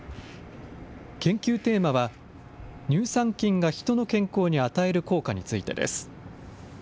研究テーマは、乳酸菌が人の健康に与える効果についてです。